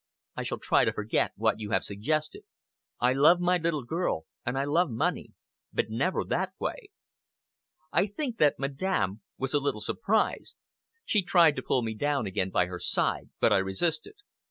I shall try to forget what you have suggested. I love my little girl and I love money. But never that way!" I think that Madame was a little surprised. She tried to pull me down again by her side, but I resisted.